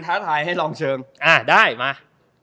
ท้าทายให้ลองเชิงอ่าได้มา